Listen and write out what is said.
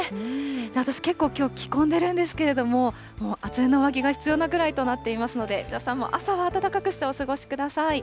私、結構きょう、着込んでいるんですけれども、もう厚手の上着が必要なぐらいとなっていますので、皆さんも朝は暖かくしてお過ごしください。